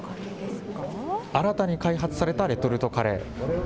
新たに開発されたレトルトカレー。